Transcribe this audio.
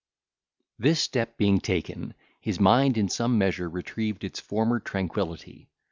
This step being taken, his mind in some measure retrieved its former tranquillity.